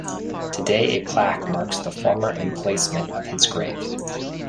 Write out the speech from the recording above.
Today a plaque marks the former emplacement of his grave.